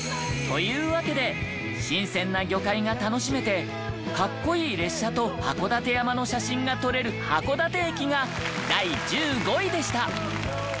というわけで新鮮な魚介が楽しめて格好いい列車と函館山の写真が撮れる函館駅が第１５位でした。